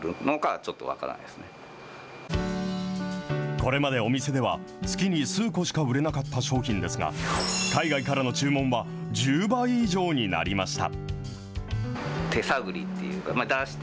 これまでお店では、月に数個しか売れなかった商品ですが、海外からの注文は１０倍以上になりました。